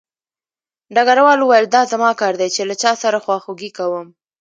ډګروال وویل دا زما کار دی چې له چا سره خواخوږي کوم